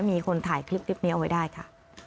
มีคนถ่ายคลิปนี้เอาไว้ได้ค่ะ